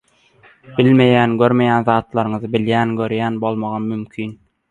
bilmeýän, görmeýän zatlaryňy bilýän, görýän bolmagam mümkin.